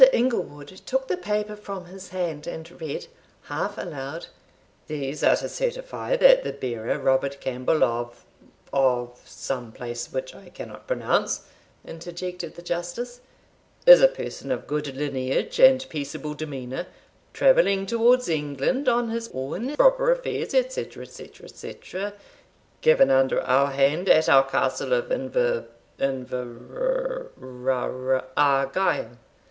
Inglewood took the paper from his hand, and read, half aloud, "These are to certify, that the bearer, Robert Campbell of of some place which I cannot pronounce," interjected the Justice "is a person of good lineage, and peaceable demeanour, travelling towards England on his own proper affairs, &c. &c. &c. Given under our hand, at our Castle of Inver Invera rara Argyle."